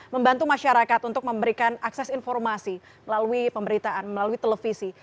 membantu masyarakat untuk memberikan akses informasi melalui pemberitaan melalui televisi